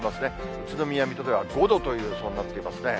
宇都宮、水戸では５度という予想になってますね。